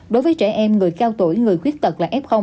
đối với trẻ em người cao tuổi người khuyết tật là f